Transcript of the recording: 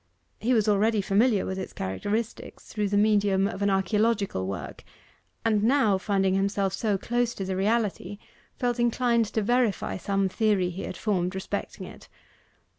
He was already familiar with its characteristics through the medium of an archaeological work, and now finding himself so close to the reality, felt inclined to verify some theory he had formed respecting it.